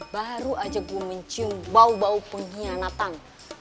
baru aja gue mencium bau bau pengkhianatan